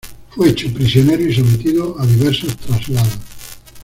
Fue hecho prisionero y sometido a diversos traslados.